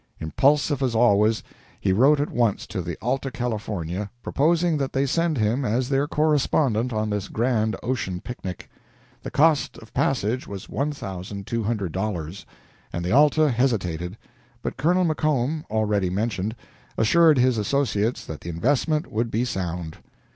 Impulsive as always, he wrote at once to the "Alta California," proposing that they send him as their correspondent on this grand ocean picnic. The cost of passage was $1.200, and the "Alta" hesitated, but Colonel McComb, already mentioned, assured his associates that the investment would be sound.